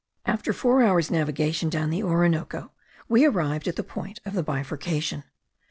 After four hours' navigation down the Orinoco we arrived at the point of the bifurcation.